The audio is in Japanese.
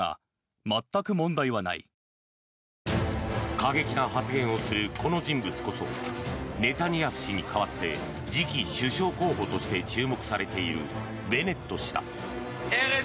過激な発言をするこの人物こそネタニヤフ氏に代わって次期首相候補として注目されているベネット氏だ。